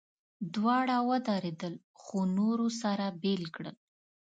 دواړه ودرېدل، خو نورو سره بېل کړل.